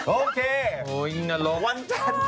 โอเคเห้ยนอร่ง